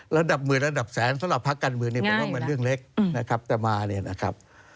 ระดับหมื่นระดับแสนสำหรับพระกันมือนี้มันเรื่องเล็กนะครับจะมา